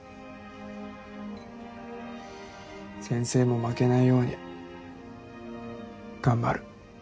先生も負けないように頑張る。